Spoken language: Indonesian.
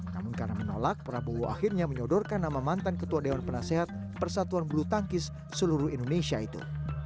namun karena menolak prabowo akhirnya menyodorkan nama mantan ketua dewan penasehat persatuan bulu tangkis seluruh indonesia itu